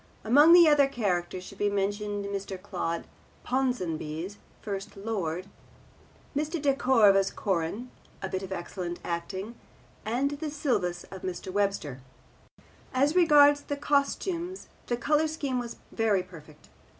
Among the other characters should be mentioned Mr. Claude Ponsonby's First Lord, Mr. De Cordova's Corin (a bit of excellent acting), and the Silvius of Mr. Webster. As regards the costumes the colour scheme was very perfect.